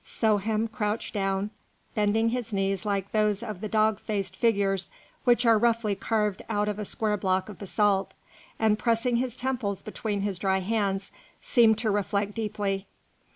Souhem crouched down, bending his knees like those of the dog faced figures which are roughly carved out of a square block of basalt, and pressing his temples between his dry hands, seemed to reflect deeply.